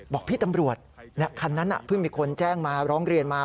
บอกพี่ตำรวจคันนั้นเพิ่งมีคนแจ้งมาร้องเรียนมา